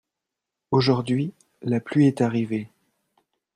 Aujourd'hui, la pluie est arrivée